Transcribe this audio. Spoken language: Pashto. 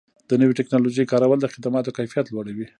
د نوې ټکنالوژۍ کارول د خدماتو کیفیت لوړوي.